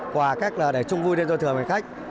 quà cách để chung vui đêm giao thừa với hành khách